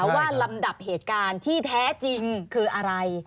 ลำดับเหตุการณ์ที่แท้จริงคืออะไร